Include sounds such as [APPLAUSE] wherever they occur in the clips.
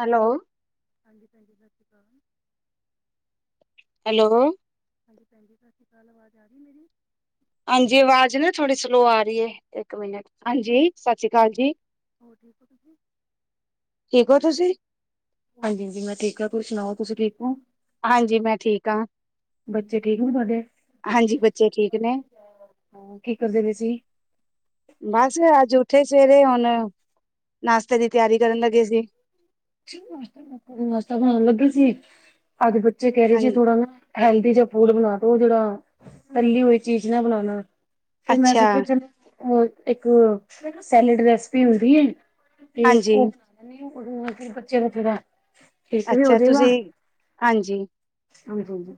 Hello. ਹਾਂਜੀ ਭਾਂਜੀ ਸਤਿ ਸ਼੍ਰੀ ਅਕਾਲ ਹੈਲੋ ਹਾਂਜੀ ਭੈਣਜੀ ਸਤਿ ਸ਼੍ਰੀ ਅਕਾਲ ਆਵਾਜ਼ ਆ ਰਹੀ ਮੇਰੀ ਹਾਂਜੀ ਆਵਾਜ਼ ਨਾ ਥੋੜੀ ਸਲੋ ਆ ਰਹੀ ਹੈ ਇੱਕ ਮਿੰਟ ਹਾਂਜੀ ਸਤਿ ਸ੍ਰੀ ਅਕਾਲ ਜੀ, ਹੋਰ ਠੀਕ ਹੋ ਤੁਸੀਂ ਠੀਕ ਹੋ ਤੁਸੀਂ? ਹਾਂਜੀ-ਹਾਂਜੀ ਮੈਂ ਠੀਕ ਹਾਂ, ਤੁਸੀਂ ਸੁਣਾਓ ਤੁਸੀਂ ਠੀਕ ਹੋ? ਹਾਂਜੀ ਮੈਂ ਠੀਕ ਹਾਂ, ਬੱਚੇ ਠੀਕ ਨੇ ਤੁਹਾਡੇ ਹਾਂਜੀ ਬੱਚੇ ਠੀਕ ਨੇ, ਹਾਂ ਕੀ ਕਰਦੇ ਪਏ ਸੀ ਬਸ ਅੱਜ ਉਠੇ ਸਵੇਰੇ ਹੁਣ ਨਾਸ਼ਤੇ ਦੀ ਤਿਆਰੀ ਕਰਨ ਲੱਗੇ ਸੀ। ਨਾਸ਼ਤਾ ਬਣਾਣ ਲੱਗੇ ਸੀ ਅੱਜ ਕਹਿ ਰਹੇ ਸੀ ਹਾਂਜੀ ਥੋੜਾ ਨਾ ਹੈਲਦੀ ਜਾ ਫੂਡ ਬਣਾ ਦੋ ਉਹ ਜਿਹੜਾ ਤੱਲੀ ਹੋਈ ਚੀਜ਼ ਨਾ ਬਣਾਣਾ ਤੇ ਮੈਂ ਅੱਛਾ ਸੋਚਿਆ ਉਹ ਇੱਕ ਸੈਲਡ ਰੈਸਪੀ ਹੁੰਦੀ ਹੈ। ਤੇ ਹਾਂਜੀ ਉਹ ਉਹਦੇ ਨਾਲ ਬੱਚੇ ਦਾ ਠੀਕ ਵੀ ਹੋ ਅੱਛਾ ਤੁਸੀਂ ਹਾਂਜੀ, ਹਾਂਜੀ-ਹਾਂਜੀ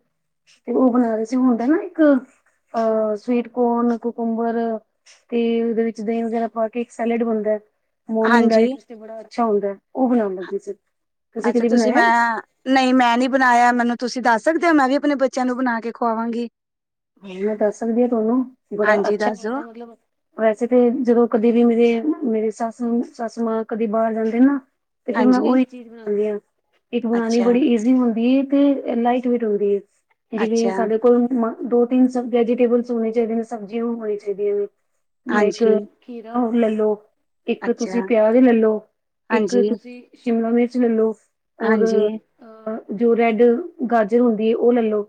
ਤੇ ਉਹ ਬਣਾ ਰ ਸੀ ਹੁੰਦਾ ਨਾ ਇੱਕ, ਅ ਸਵੀਟ ਕੋਰਨ ਕੋਕੁੰਬਰ ਤੇ ਉਹਦੇ ਵਿੱਚ ਦਹੀਂ ਵਗੈਰਾ ਪਾ ਕੇ ਇੱਕ ਸੈਲਡ ਬਣਦਾ ਹੈ ਮੋਰਨਿੰਗ ਹਾਂਜੀ ਰਾਈਟ ਬੜਾ ਅੱਛਾ ਹੁੰਦਾ ਹੈ ਉਹ ਬਣਾਉਣ ਲੱਗੇ ਸੀ। ਅੱਛਾ ਕਦੀ ਤੁਸੀਂ ਬਣਾਇਆ ਮੈਂ ਨਹੀਂ ਮੈਂ ਨੀ ਬਣਾਇਆ ਮੈਨੂੰ ਤੁਸੀਂ ਦੱਸ ਸਕਦੇ ਹੋ ਮੈਂ ਵੀ ਆਪਣੇ ਬੱਚਿਆਂ ਨੂੰ ਬਣਾ ਕੇ ਖੁਵਾਵਾਂਗੀ। ਹਾਂ, ਮੈਂ ਦੱਸ ਸਕਦੀ ਹਾਂ ਤੁਹਾਨੂੰ ਬੜਾ ਹਾਂਜੀ ਅੱਛਾ ਦੱਸ ਦੋ ਬੰਦਾ ਮਤਲਬ। ਵੈਸੇ ਤੇ ਜਦੋਂ ਕਦੇ ਵੀ ਮੇਰੇ-ਮੇਰੀ ਸੱਸ-ਸੱਸ ਮਾਂ ਕਦੇ ਬਾਹਰ ਜਾਂਦੇ ਨਾ। ਤੇ ਫੇਰ ਮੈਂ ਹਾਂਜੀ ਉਹੀ ਚੀਜ਼ ਬਣਾਨੀ ਹਾਂ ਇੱਕ ਬਣਾਨੀ ਅੱਛਾ, ਬੜੀ ਈਜ਼ੀ ਹੁੰਦੀ ਐ। ਇਹ ਲਾਈਟ ਵੇਟ ਹੁੰਦੀ ਹੈ ਜਿਵੇਂ ਅੱਛਾ ਸਾਡੇ ਕੋਲ। ਦੋ ਤੀਨ ਸ ਵੈਜੀਟੇਬਲਸ ਹੋਣੇ ਚਾਹੀਦੀ ਸਬਜੀ ਹੋਣੀ ਚਾਹੀਦੀ ਹਾਂਜੀ, ਖੀਰਾ। ਲੈਲੋ ਇੱਕ ਤੁਸੀਂ ਅੱਛਾ ਪਿਆਜ ਲੈਲੋ, ਇੱਕ ਹਾਂਜੀ, ਤੁਸੀਂ ਸ਼ਿਮਲਾ ਮਿਰਚ ਲੈਲੋ। ਔਰ ਹਾਂਜੀ। ਅ, ਜੋ ਰੈਡ ਗਾਜਰ ਹੁੰਦੀ ਹੈ ਉਹ ਲੈ ਲੋ।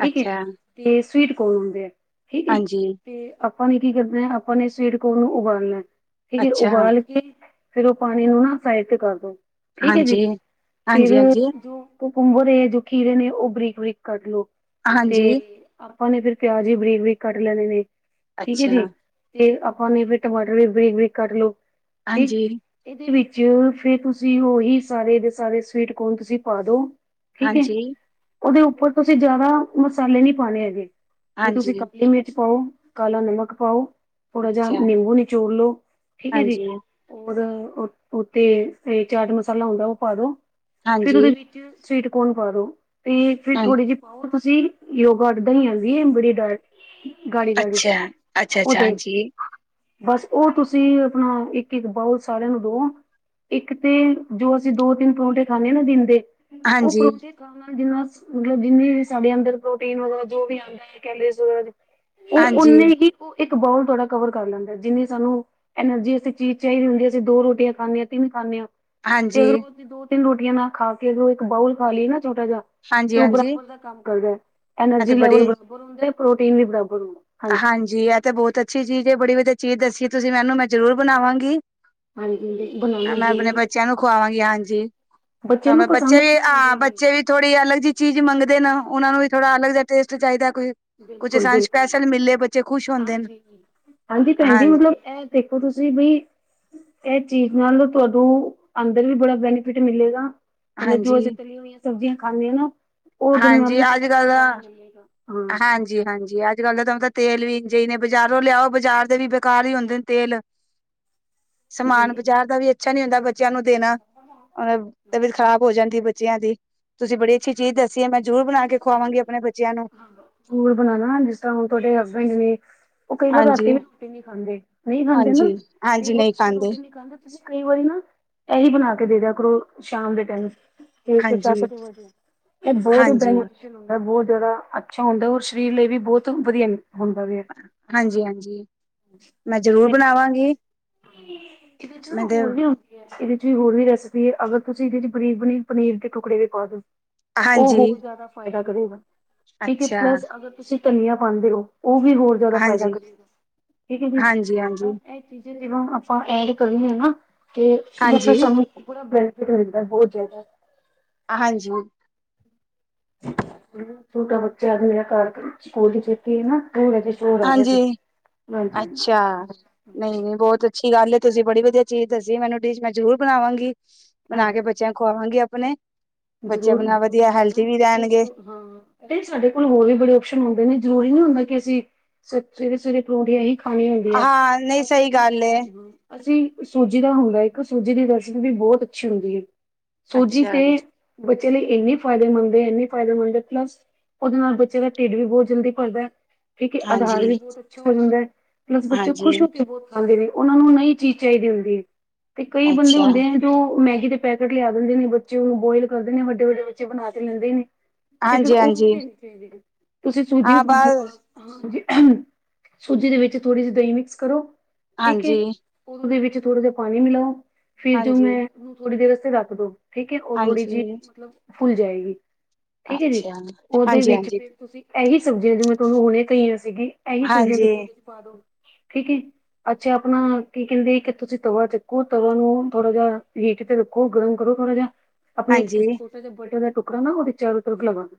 ਠੀਕ ਹੈ ਅੱਛਾ। ਤੇ, ਸਵੀਟ ਕੋਨ ਹੁੰਦੇ ਆ। ਠੀਕ ਹੈ ਹਾਂਜੀ। ਤੇ ਆਪਾਂ ਨੇ ਕੀ ਕਰਨਾ ਆਪਾਂ ਨੇ ਸਵੇਰ ਕੋਨ ਨੂੰ ਉਬਾਲਣਾ, ਠੀਕ ਹੈ ਅੱਛਾ, ਉਬਾਲ ਕੇ। ਫੇਰ ਉਹ ਪਾਣੀ ਨੂੰ ਨਾ ਸਾਈਡ ਤੇ ਕਰਦੋ, ਠੀਕ ਹੈ ਜੀ ਹਾਂਜੀ। ਫਿਰ ਹਾਂਜੀ-ਹਾਂਜੀ, ਜੋ। ਪੁੰਗਰੇ ਜੋ, ਖੀਰੇ ਨੇ ਉਹ ਬਰੀਕ ਬਰੀਕ ਕਟ ਲੋ। ਹਾਂਜੀ। ਤੇ ਆਪਾਂ ਨੇ ਫਿਰ ਪਿਆਜ਼ੀ ਬਰੀਕ ਬਰੀਕ ਕੱਟ ਲੈਣੇ ਨੇ, ਠੀਕ ਹੈ ਅੱਛਾ, ਜੀ ਤੇ। ਹਾਂਜੀ, [UNINTELLIGIBLE] ਫਿਰ, ਤੁਸੀਂ ਉਹੀ ਸਾਰੇ ਦੇ ਸਾਰੇ ਸਵੀਟ ਕੋਣ ਤੁਸੀਂ ਪਾ ਦੋ। ਠੀਕ ਹੈ। ਹਾਂਜੀ। ਉਹਦੇ ਉੱਪਰ ਤੁਸੀਂ ਜਿਆਦਾ ਮਸਾਲੇ ਨਹੀ ਪਾਉਣੇ ਹੈਗੇ, ਵੀ ਤੁਸੀਂ ਹਾਂਜੀ, ਕਾਲੀ ਮਿਰਚ ਪਾਓ। ਕਾਲਾ ਨਮਕ ਪਾਓ ਥੋੜਾ ਜਿਹਾ ਅੱਛਾ, ਨਿੰਬੂ ਨਿਚੋੜ ਲੋੋ ਠੀਕ ਹੈ‌, ਜੀ ਹਾਂਜੀ, ਔਰ। ਉਤੇ ਇਹ ਚਾਟ ਮਸਾਲਾ ਹੁੰਦਾ ਉਹ ਪਾ ਦੋ, ਫਿਰ ਹਾਂਜੀ, ਉਹਦੇ ਵਿੱਚ। ਸਵੀਟਕੋਣ ਪਾ ਲੋ, ਤੇ ਫਿਰ ਹਾਂਜੀ, ਥੋੜੀ ਜਿਹੀ ਪਾਓ ਤੁਸੀਂ ਯੋਗ। ਗੜਦਾ ਹੀ ਆਂਦੀ ਬੜੀ ਡਰ, ਗਾੜੀ ਗਾੜੀ ਚ ਅੱਛਾ। ਅੱਛਾ-ਅੱਛਾ, ਤੇ ਹੀ। ਹਾਂਜੀ, ਬਸ ਉਹ ਤੁਸੀਂ ਆਪਣਾ, ਇੱਕ ਇੱਕ ਬਾਊ ਸਾਰਿਆਂ ਨੂੰ ਦੋ। ਇੱਕ ਤੇ ਜੋ ਅਸੀਂ ਦੋ ਤਿੰਨ ਪਰੌਂਠੇ ਖਾਂਦੇ ਹਾਂ ਨਾ ਦਿਨ ਦੇ। ਉਹ ਹਾਂਜੀ, ਪਰੋਖ ਜਿੰਨਾ ਮਤਲਬ ਜਿੰਨੇ ਵੀ ਸਾਡੇ ਅੰਦਰ। ਤੇ ਜੋ ਵੀ ਆਉਂਦਾ ਕਹਿੰਦੇ, ਉਹ ਹਾਂਜੀ, ਓਨੇ ਹੀ। ਇੱਕ ਬੋਲ ਥੋੜ੍ਹਾ ਕਵਰ ਕਰ ਲੈਂਦਾ ਜਿੰਨੀ ਸਾਨੂੰ ਐਨਰਜੀਸ ਦੀ ਚੀਜ਼ ਚਾਹੀਦੀ ਹੁੰਦੀ ਖਾਂਦੇ ਹਾਂ ਤਿੰਨ ਖਾਂਦੇ ਹਾਂ। ਤੇ, ਹਾਂਜੀ, ਅਗਰ ਉਹ ਦੋ ਤਿੰਨ ਰੋਟੀਆਂ ਨਾ ਖਾ ਕੇ ਅਗਰ ਉਹ ਇੱਕ ਬਾਊਲ ਖਾ ਲਈਏ ਨਾ। ਛੋਟਾ ਜਿਹਾ, ਤੇ ਉਹ ਹਾਂਜੀ-ਹਾਂਜੀ। ਬਰਾਬਰ ਦਾ ਕੰਮ ਕਰਦਾ ਐ ਤੇ ਐਨਰਜੀ ਬੜੀ ਲੈਵਲ ਬਰਾਬਰ ਹੁੰਦਾ ਹੈ ਪ੍ਰੋਟੀਨ ਵੀ ਬਰਾਬਰ ਹੁੰਦਾ। ਹਾਂਜੀ ਇਹ ਤੇ ਬਹੁਤ ਅੱਛੀ ਚੀਜ਼ ਬੜੀ ਵਧੀਆ ਚੀਜ਼ ਦੱਸੀ ਤੁਸੀਂ ਮੈਨੂੰ ਮੈਂ ਜ਼ਰੂਰ ਬਣਾਵਾਂਗੀ। ਹਾਂਜੀ। ਬਣਾਉਣਾ ਮੈਂ ਆਪਣੇ ਜ਼ਰੂਰ ਬੱਚਿਆਂ ਨੂੰ ਖਵਾਂਗੀ ਹਾਂਜੀ। ਤਾਂ ਨੂੰ ਮੈਂ ਬੱਚੇ ਪਸੰਦ ਵੀ ਬੜੀ ਹਾਂ, ਆਉਂਦੀ ਬੱਚੇ ਜੀ। ਵੀ ਥੋੜ੍ਹੀ ਅਲਗ ਜਿਹੀ ਚੀਜ਼ ਮੰਗਦੇ। ਉਹਨਾ ਨੂੰ ਵੀ ਥੋੜਾ ਅਲੱਗ ਜਿਹਾ ਟੇਸਟ ਚਾਹੀਦਾ ਕੋਈ, ਕੁੱਝ ਸਾਨੂੰ ਬਿਲਕੁਲ-ਬਿਲਕੁਲ ਸਪੈਸ਼ਲ ਮਿਲੇ ਬੱਚੇ। ਖੁਸ਼ ਹੁੰਦੇ ਨੇ ਹਾਂਜੀ, ਹਾਂਜੀ ਭੈਣ ਜੀ ਮਤਲਬ ਇਹ ਦੇਖੋ ਤੁਸੀਂ ਵੀਇਹ। ਚੀਜ਼ ਨਾਲ ਤੁਹਾਨੂੰ, ਅੰਦਰ ਵੀ ਬੜਾ ਬੈਨੀਫਿਟ ਮਿਲੇਗਾ। ਮਤਲਬ ਜੋ ਅਸੀਂ ਹਾਂਜੀ ਤਲੀਆਂ ਹੋਈਆਂ ਸਬਜ਼ੀਆਂ ਖਾਂਦੇਆਂ ਨਾ, ਉਹਦੇਨ ਨਾਲ ਹਾਂਜੀ ਹੀ ਅੱਜ ਤੁਹੂੰ। ਕੱਲ ਹਾਂਜੀ ਹਾਂਜੀ ਅੱਜ ਕੱਲ ਦਾ ਤਾਂ ਤਾਂ। ਤੇਲ ਵੀ ਜਿ ਨੇ ਬਾਜ਼ਾਰੋਂ ਲਿਆਓ ਬਜ਼ਾਰ ਦੇ ਵੀ ਬੇਕਾਰ ਹੀ ਹੁੰਦੇ ਨੇ ਤੇਲ। ਸਮਾਨ ਬਜ਼ਾਰ ਦਾ ਵੀ ਅੱਛਾ ਨੀ ਹੁੰਦਾ ਬੱਚਿਆਂ ਨੂੰ ਦੇਣਾ, ਤਬੀਅਤ ਖਰਾਬ ਹੋ ਜਾਂਦੀ। ਬੱਚਿਆਂ ਦੀ, ਤੁਸੀਂ ਬੜੀ ਅੱਛੀ ਚੀਜ਼ ਦੱਸ। ਸਕੂਲ ਬਣਾਣਾ ਜਿਸ ਤਰ੍ਹਾਂ ਹੁਣ ਤੁਹਾਡੇ ਹਸਬੈਂਡ ਨੇ। ਉਹ ਕਈ ਵਾਰ ਰਾਤੀ ਹਾਂਜੀ ਵੀ, ਰੋਟੀ ਨਹੀਂ ਖਾਂਦੇ ਨਹੀਂ ਖਾਂਦੇ ਨਾ। ਹਾਂਜੀ ਤੇ ਹਾਂਜੀ ਨਹੀਂ ਰੋਟੀ ਰੋਟੀ ਨਹੀਂ ਖਾਂਦੇ ਤੁਸੀਂ, ਕਈ ਵਾਰੀ ਨਾ ਇਹੀ ਬਣਾ। ਦੇ ਦ ਕਰੋ ਸ਼ਾਮ ਦੇ ਟਾਈਮ, ਤੇ ਫਿਰ ਚ ਹਾਂਜੀ ਇਹ ਬਹੁਤ। ਹਾਂਜੀ ਬਹੁਤ ਜ਼ਿਆਦਾ ਅੱਛਾ ਹੁੰਦਾ ਔਰ ਸਰੀਰ ਲਈ ਵੀ ਬਹੁਤ ਵਧੀਆ। ਹੁੰਦਾ ਵੀ ਹੈ ਹਾਂਜੀ ਹਾਂਜੀ, ਮੈਂ ਜ਼ਰੂਰ ਤੇ ਬਣਾਵਾਂਗੀ। ਇਹਦੇ ਚ ਮੈਂ ਨਾ ਤੇ ਹੋਰ ਵੀ, ਹੁੰਦੀ ਹੈ ਇਹਦੇ। ਹੋਰ ਵੀ ਰੈਸਪੀ ਅਗਰ ਤੁਸੀਂ ਇਹਦੇ 'ਚ ਪਨੀਰ ਪਨੀਰ ਪਨੀਰ ਦੇ ਟੁਕੜੇ ਵੀ ਪਾ ਦੋ। ਉਹ ਹਾਂਜੀ ਹੋਰ ਜ਼ਿਆਦਾ ਫਾਇਦਾ ਕਰੂੰਗਾ। ਠੀਕ ਏ ਅੱਛਾ ਪਲੱਸ ਅਗਰ ਤੁਸੀਂ ਧਨੀਆ ਪਾਂਦੇ ਹੋ ਉਹ ਵੀ ਹੋਰ ਜਿਆਦਾ ਫਾਇਦਾ ਹਾਂਜੀ ਕਰੇਗਾ, ਠੀਕ ਹੈ ਜੀ। ਹਾਂਜੀ ਹਾਂਜੀ ਤੇ ਜੇ ਹੁਣ ਆਪਾਂ ਐਡ ਕਰੀ ਆ ਨਾ, ਤੇ ਉਹ ਫਿਰ ਹਾਂਜੀ ਸਾਨੂੰ ਪੂਰਾ ਬਲਿੰਡ [UNINTELLIGIBLE] ਦਾ ਬਹੁਤ ਜ਼ਿਆਦਾ ਹਾਂਜੀ ਛੋਟਾ ਬੱਚਾ ਅੱਜ ਮੇਰਾ ਘਰ, ਸਕੂਲ 'ਚ ਛੁੱਟੀ ਹੈ ਨਾ। ਥੋੜਾ ਜਿਹਾ ਸ਼ੋਰ ਆ ਰਿਹਾ ਸੀ ਹਾਂਜੀ, ਹਾਂਜੀ ਅੱਛਾ, ਹਾਂਜੀ ਨਹੀਂ-ਨਹੀਂ ਬਹੁਤ ਅੱਛੀ ਗੱਲ ਹੈ। ਤੁਸੀਂ ਬੜੀ ਵਧੀਆ ਚੀਜ਼ ਦੱਸੀ ਮੈਨੂੰ ਡਿਸ਼ ਮੈਂ ਜਰੂਰ ਬਣਾਵਾਂਗੀ, ਬਣਾ ਕੇ ਬੱਚਿਆਂ ਖੁਆਵਾਂਗੀ ਆਪਣੇ। ਬੱਚੇ ਆਪਣਾ ਜ਼ਰੂਰ-ਜ਼ਰੂਰ, ਵਧੀਆ ਹੈਲਥੀ ਬਣਾਉ ਵੀ ਇਸ ਰਹਿਣਗੇ ਹਾਂ ਸਾਡੇ ਕੋਲ ਹੋਰ ਵੀ ਬੜੇ ਔਪਸ਼ਨ ਹੁੰਦੇ ਨੇ ਜ਼ਰੂਰੀ ਨਹੀਂ ਹੁੰਦਾ ਕਿ ਅਸੀਂ, ਸਵੇਰੇ-ਸਵੇਰੇ ਪਰੌਂਠੇ ਇਹੀ ਖਾਣੀ ਹੁੰਦੀ ਹੈ। ਹਾਂ ਨਹੀਂ ਸਹੀ ਅਸੀਂ ਗੱਲ ਏ [UNINTELLIGIBLE] ਅਸੀਂ ਸੂਜੀ ਦਾ ਹੁੰਦਾ ਇੱਕ ਸੂਜੀ ਦੀ ਰੈਸਪੀ ਵੀ ਬਹੁਤ ਅੱਛੀ ਹੁੰਦੀ ਹੈ। ਸੂਜੀ ਅੱਛਾ ਤੇ ਬੱਚੇ ਲਈ ਇੰਨੇ ਫ਼ਾਇਦੇਮੰਦ ਏ ਇੰਨੀ ਫਾਇਦੇਮੰਦ ਏ ਪਲੱਸ ਉਹਦੇ ਨਾਲ ਬੱਚੇ ਦਾ ਢਿੱਡ ਵੀ ਬਹੁਤ ਜਲਦੀ ਭਰਦਾ, ਠੀਕ ਏ ਹਾਂਜੀ ਆਧਾਰ ਵੀ ਬਹੁਤ ਅੱਛਾ ਹੋ ਜਾਂਦਾ। ਪਲੱਸ ਬੱਚੇ ਹਾਂਜੀ ਖੁਸ਼ ਹੋ ਕੇ ਬਹੁਤ ਖਾਂਦੇ ਨੇ ਉਹ ਨੂੰ ਨਈ ਚੀਜ਼ ਚਾਹੀਦੀ ਹੁੰਦੀ। ਤੇ ਕਈ ਬੰਦੇ ਅੱਛਾ ਹੁੰਦੇ ਨੇ ਜੋ ਮੈਗੀ ਦੇ ਪੈਕੇਟ ਲਿਆ ਦਿੰਦੇ ਨੇ ਬੱਚੇ ਉਹਨੂੰ ਬੁਆਇਲ ਕਰਦੇ ਨੇ ਵੱਡੇ-ਵੱਡੇ ਬੱਚੇ ਬਣਾ ਤੇ ਲੈਂਦੇ ਨੇ। ਤੇ ਫਿਰ ਹਾਂਜੀ ਉਹ ਨਹੀਂ ਹਾਂਜੀ ਦੇਣੀ ਚਾਹੀ ਤੁਸੀਂ ਸੂਜੀ ਹਾਂ ਬਸ ਸੂਜੀ ਦੇ ਵਿੱਚ ਥੋੜ੍ਹੀ ਜਿਹੀ ਦਹੀਂ ਮਿਕਸ ਕਰੋ, ਠੀਕ ਹੈ ਹਾਂਜੀ ਉਹਦੇ ਵਿੱਚ ਥੋੜਾ ਜਾ ਪਾਣੀ ਮਿਲਾਓ, ਫਿਰ ਜੋ ਹਾਂਜੀ ਮੈਂ ਥੋੜੀ ਦੇਰ ਵਾਤੇ ਰੱਖ ਦੋ ਠੀਕ ਹੈ ਉਹ ਥੋੜੀ ਜਿਹੀ ਹਾਂਜੀ ਫੁੱਲ ਜਾਏਗੀ। ਠੀਕ ਹੈ ਜੀ, ਅੱਛਾ ਉਹਦੇ ਹਾਂਜੀ ਵਿੱਚ ਹਾਂਜੀ ਫਿਰ ਤੁਸੀਂ ਇਹੀ ਸਬਜ਼ੀਆਂ ਜਿਵੇਂ ਤੁਹਾਨੂੰ ਹੁਣੇ ਕਈਆਂ ਸੀਗੀ ਇਹੀ ਸਬਜੀਆਂ ਹਾਂਜੀ ਤੁਸੀਂ ਉਹਦੇ 'ਚ ਪਾ ਦੋ। ਠੀਕ ਏ, ਅੱਛਾ ਆਪਣਾ ਕੀ ਕਹਿੰਦੇ ਇੱਕ ਤੁਸੀਂ ਤਵਾ ਚੁੱਕੋ ਤਵਾ ਨੂੰ ਥੋੜਾ ਜਿਹਾ ਹੀ ਤੇ ਰੱਖੋ ਗਰਮ ਕਰੋ ਥੋੜਾ ਜਾ। ਆਪਣੇ ਹਾਂਜੀ, ਇੱਕ ਛੋਟੇ ਜਿਹਾ ਬਲਟੇ ਦਾ ਟੁਕੜਾ ਨਾ ਉਹਦੇ ਚਾਰੋ ਤਰਫ ਲਗਾ ਲਓ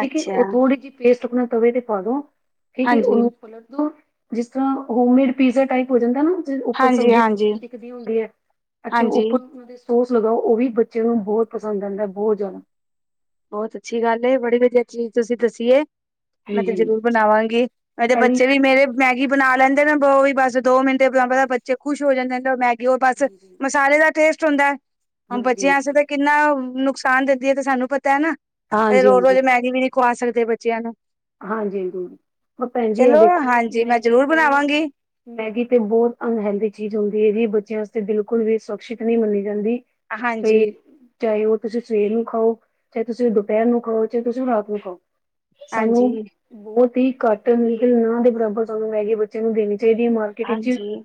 ਠੀਕ ਏ ਅੱਛਾ, ਉਹ ਥੋੜੀ ਜਿਹੀ ਪੇਸਟ ਸੁੱਕਨਾ ਤਵੇ ਤੇ ਪਾਦੋ, ਠੀਕ ਏ ਹਾਂਜੀ, ਉਹਨੂੰ ਖੋਲ ਦੋ। ਜਿਸ ਤਰ੍ਹਾਂ ਹੋਮਮੇਡ ਪੀਜ਼ਾ ਟਾਈਪ ਹੋ ਜਾਂਦਾ ਨਾ। ਉੱਪਰ ਹਾਂਜੀ, ਹਾਂਜੀ, ਸਬਜ਼ੀਆਂ-ਸੁਬਜ਼ੀਆਂ ਦਿਖਦੀ ਹੁੰਦੀਆਂ ਅੱਛਾ ਹਾਂਜੀ। ਉੱਪਰ ਅਫਸੋਸ ਲਗਾਓ ਉਹ ਵੀ ਬੱਚੇ ਨੂੰ ਬਹੁਤ ਪਸੰਦ ਆਂਦਾ ਬਹੁਤ ਜ਼ਿਆਦਾ। ਬਹੁਤ ਅੱਛੀ ਗੱਲ ਏ ਬੜੀ ਵਧੀਆ ਚੀਜ਼ ਤੁਸੀਂ ਦੱਸੀ ਏ, ਮੈਂ ਤੇ ਹਾਂਜੀ ਜਰੂਰ ਬਣਾਵਾਂਗੀ। ਇਹਦੇ ਬੱਚੇ ਵੀ ਮੇਰੇ ਮੈਗੀ ਬਣਾ ਲੈਂਦੇ ਨੇ ਉਹ ਵੀ ਬਸ ਦੋ ਮਿੰਟੇ ਬੱਚੇ ਖੁਸ਼ ਹੋ ਜਾਂਦੇ ਨੇ। ਮੈਗੀ ਹੋਰ ਬਸ ਹਾਂਜੀ ਮਸਾਲੇ ਦਾ ਟੇਸਟ ਹੁੰਦਾ, ਹਾਂਜੀ ਬੱਚਿਆਂ ਆਸਤੇ ਤਾਂ ਕਿੰਨਾ ਨੁਕਸਾਨ ਦਿੰਦੀ ਹੈ ਤੇ ਸਾਨੂੰ ਪਤਾ ਹੈ ਨਾ, ਤੇ ਹਾਂਜੀ ਹਾਂਜੀ ਰੋਜ਼-ਰੋਜ਼ ਮੈਗੀ ਵੀ ਨੀ ਖਵਾ ਸਕਦੇ ਬੱਚਿਆਂ ਨੂੰ। ਹਾਂਜੀ ਜਰੂਰ ਪਰ ਭੈਣ ਜੀ ਆ ਚਲੋ ਦੇਖੋ ਹਾਂਜੀ ਮੈਂ ਮੈਗੀ ਜ਼ਰੂਰ ਤੇ ਬਣਾਵਾਂਗੀ। ਮੈਗੀ ਤੇ ਬਹੁਤ ਅਨਹੈਲਦੀ ਚੀਜ਼ ਹੁੰਦੀ ਹੈ ਜੀ ਬੱਚਿਆਂ ਆਸਤੇ। ਤੇ ਬਿਲਕੁਲ ਵੀ ਸੁਰੱਖਸ਼ਿਤ ਨਹੀਂ ਮੰਨੀ ਜਾਂਦੀ, ਹਾਂਜੀ, ਤੇ ਚਾਹੇ ਉਹ ਤੁਸੀਂ ਸਵੇਰ ਨੂੰ ਖਾਓ। ਚਾਹੇ ਤੁਸੀਂ ਉਹ ਦੁਪਹਿਰ ਨੂੰ ਖਾਓ ਚਾਹੇ ਤੁਸੀਂ ਉਹ ਰਾਤ ਨੂੰ ਖਾਓ ਸਾਨੂੰ ਹਾਂਜੀ, ਬਹੁਤ ਹੀ ਘੱਟ [UNINTELLIGIBLE] ਨਾਂਹ ਦੇ ਬਰਾਬਰ ਸਾਨੂੰ ਮੈਗੀ ਬੱਚਿਆਂ ਨੂੰ ਦੇਣੀ ਚਾਹੀਦੀ ਹੈ ਮਾਰਕੀਟ ਵਿੱਚ ਹਾਂਜੀ,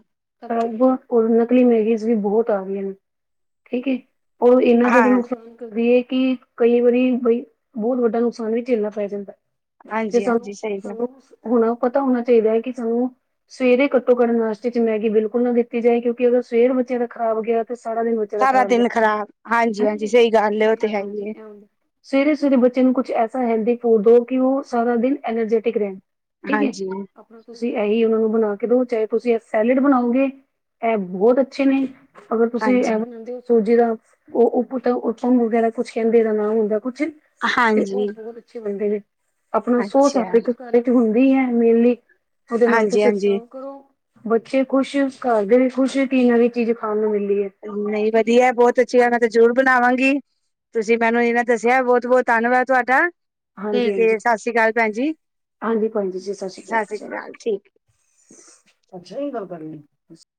ਹੁਣ ਨਕਲੀ ਮੈਗੀਜ਼ ਵੀ ਬਹੁਤ ਆ ਗਈਆਂ ਨੇ ਠੀਕ ਹੈ। ਉਹ ਇੰਨਾ ਜ਼ਿਆਦਾ ਹਾਂ, ਨੁਕਸਾਨ ਕਰਦੀ ਏ ਕਿ ਕਈ ਵਾਰੀ ਬਈ ਬਹੁਤ ਵੱਡਾ ਨੁਕਸਾਨ ਵੀ ਝੇਲਣਾ ਪੈ ਜਾਂਦਾ। ਤੇ ਹਾਂਜੀ, ਹਾਂਜੀ ਸਾਨੂੰ ਸਹੀ ਗੱਲ। ਸਾਨੂੰ ਹੁਣ ਪਤਾ ਹੋਣਾ ਚਾਹੀਦਾ ਹੈ ਕਿ ਸਾਨੂੰ ਸਵੇਰੇ ਘੱਟੋ-ਘੱਟ ਨਾਸ਼ਤੇ 'ਚ ਮੈਗੀ ਬਿਲਕੁਲ ਨਾ ਦਿੱਤੀ ਜਾਏ ਕਿਉਂਕਿ ਅਗਰ ਸਵੇਰ ਬੱਚਿਆਂ ਦਾ ਖ਼ਰਾਬ ਗਿਆ ਸਾਰਾ ਦਿਨ ਬੱਚਿਆਂ ਦਾ ਸਾਰਾ ਖਰਾਬ ਦਿਨ ਖ਼ਰਾਬ ਹਾਂਜੀ ਜਾਂਦਾ। ਹਾਂਜੀ ਸਹੀ ਗੱਲ ਹੈ, ਉਹ ਤੇ ਹੈ ਹੀ ਹੈ ਸਵੇਰੇ-ਸਵੇਰੇ ਬੱਚੇ ਨੂੰ ਕੁਛ ਐਸਾ ਹੈਲਦੀ ਫੂਡ ਦੋ ਕਿ ਉਹ ਸਾਰਾ ਦਿਨ ਐਨਰਜੈਟਿਕ ਰਹੇ। ਠੀਕ ਏ, ਹਾਂਜੀ ਤੁਸੀਂ ਇਹੀ ਉਹਨਾ ਨੂੰ ਬਣਾ ਕੇ ਦੋ ਚਾਹੇ ਤੁਸੀਂ ਇਹ ਸੈਲਡ ਬਣਾਓਗੇ, ਇਹ ਬਹੁਤ ਅੱਛੇ ਨੇ। ਅਗਰ ਤੁਸੀਂ ਇਹ ਹਾਂਜੀ ਬਣਾਉਂਦੇ ਹੋ ਸੂਜੀ ਦਾ ਉਹ ਤਾਂ ਉਥੋਂ ਵਗੈਰਾ ਕੁਛ ਕਹਿੰਦੇ ਇਹਦਾ ਨਾ ਹੁੰਦਾ। ਕੁਛ, ਤੇ ਉਹ ਹਾਂਜੀ ਬਹੁਤ ਅੱਛੇ ਬੰਦੇ ਨੇ ਆਪਣਾ ਸੌ ਸਾਲ ਅੱਛਾ ਇੱਕ ਘਰ 'ਚ ਹੁੰਦਾ। ਓਹੀ ਐ ਮੇਨਲੀ ਉਹਦੇ ਨਾਲ ਹਾਂਜੀ ਤੁਸੀਂ ਹਾਂਜੀ ਸਰਵ ਕਰੋ। ਬੱਚੇ ਖੁਸ਼ ਘਰ ਦੇ ਵੀ ਖੁਸ਼ ਤੇ ਨਵੀਂ ਚੀਜ਼ ਖਾਣ ਨੂੰ ਮਿਲ ਨਹੀਂ, ਵਧੀਆ ਬਹੁਤ ਅੱਛੀ ਐ ਮੈਂ ਤੇ ਜ਼ਰੂਰ ਬਣਾਵਾਂਗੀ। ਤੁਸੀਂ ਮੈਨੂੰ ਏਨਾ ਦੱਸਿਆ ਬਹੁਤ ਬਹੁਤ ਧੰਨਵਾਦ ਤੁਹਾਡਾ। ਠੀਕ ਹਾਂਜੀ-ਹਾਂਜੀ ਏ। ਸੱਤ ਸ਼੍ਰੀ ਕਾਲ, ਭੈਣ ਜੀ। ਹਾਂਜੀ ਭੈਣ ਜੀ, ਸਤਿ ਸ਼੍ਰੀ ਅਕਾਲ। ਕਾਲ। ਠੀਕ ਏ। ਅੱਛਾ, ਇਹ ਗੱਲ ਕਰਨੀ ਤੁਸੀਂ